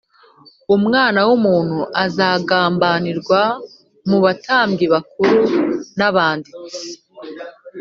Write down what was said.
Umwana w’umuntu azagambanirwa mu batambyi bakuru n’abanditsi